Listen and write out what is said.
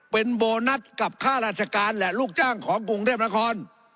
เป็นโบนัสกับค่าราชการและลูกจ้างของกรุงเทพนคร